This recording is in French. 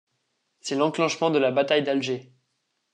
C'est l'enclenchement de la bataille d'Alger.